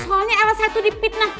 soalnya elsa tuh dipitnah